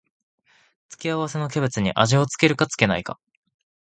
付け合わせのキャベツに味を付けるか付けないか